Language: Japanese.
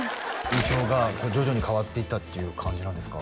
印象が徐々に変わっていったっていう感じなんですか？